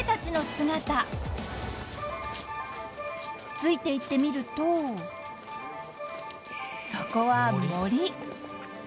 ［ついていってみるとそこは］